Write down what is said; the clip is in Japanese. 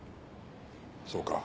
そうか。